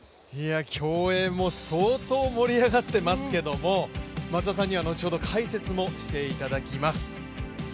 競泳も相当盛り上がってますけども、松田さんには後ほど解説もしていただきます。